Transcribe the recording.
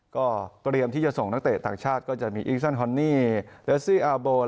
ก็เตรียมที่จะส่งนักเตะต่างชาติก็จะมีอิงซันฮอนนี่เลสซี่อาร์โบ